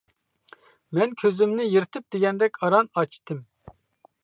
مەن كۆزۈمنى يىرتىپ دېگەندەك ئاران ئاچتىم.